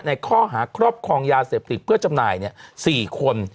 ในข้อหาครอบครองยาเสพติดเพื่อจำหน่าย๔คน